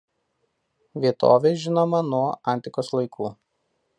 Vietovė žinoma nuo Antikos laikų.